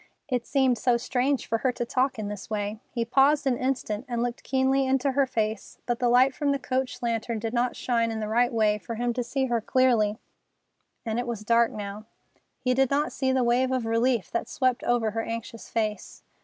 It seemed so strange for her to talk in this way. He paused an instant, and looked keenly into her face, but the light from the coach lantern did not shine in the right way for him to see her clearly, and it was dark now. He did not see the wave of relief that swept over her anxious face.